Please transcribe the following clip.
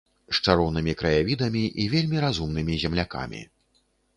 З чароўнымі краявідамі і вельмі разумнымі землякамі.